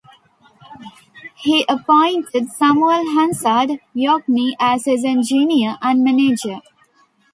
He appointed Samuel Hansard Yockney as his engineer and manager.